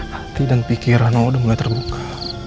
hati dan pikiran allah udah mulai terbuka